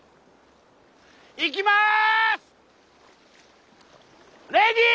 いきます！